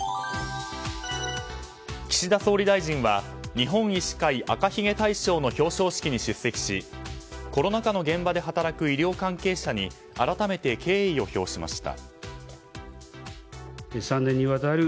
岸田総理大臣は日本医師会赤ひげ大賞の表彰式に出席しコロナ禍の医療現場で働く医療関係者に改めて敬意を表しました。